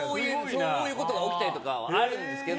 そういうことが起きたりとかはあるんですけど